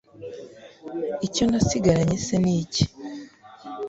icyo nasigaranye se ni iki